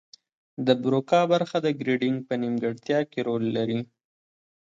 د بروکا برخه د ګړیدنګ په نیمګړتیا کې رول لري